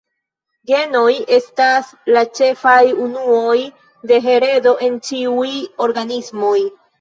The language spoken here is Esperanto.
Genoj estas la ĉefaj unuoj de heredo en ĉiuj organismoj.